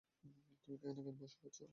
তুমি এখানে কেন বসে আছো?